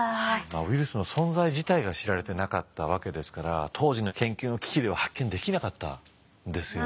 ウイルスの存在自体が知られてなかったわけですから当時の研究の機器では発見できなかったんですよね。